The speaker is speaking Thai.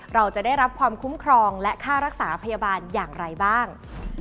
เราจะได้รับความคุ้มครองและค่ารักษาพยาบาลอย่างไรบ้าง